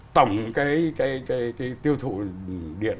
tổng cái tiêu thụ điện